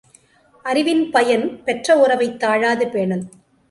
அறிவின் பயன், பெற்ற உறவைத் தாழாது பேணல்.